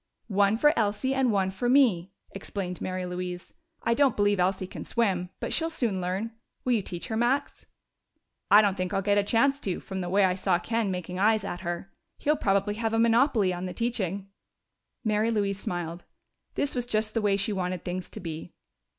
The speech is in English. "One for Elsie and one for me," explained Mary Louise. "I don't believe Elsie can swim, but she'll soon learn. Will you teach her, Max?" "I don't think I'll get a chance to, from the way I saw Ken making eyes at her. He'll probably have a monopoly on the teaching." Mary Louise smiled: this was just the way she wanted things to be.